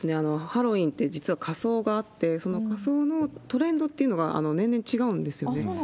ハロウィーンって実は仮装があって、仮装のトレンドっていうのが、年々違うんですよね。